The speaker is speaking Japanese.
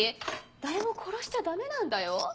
誰も殺しちゃダメなんだよ。